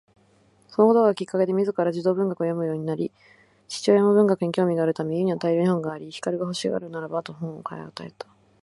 そのことがきっかけで自ら児童文学を読むようになり、父親も文学に興味があるため家には大量に本があり、光が欲しがるならば本を買い与えた